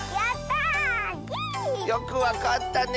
よくわかったね！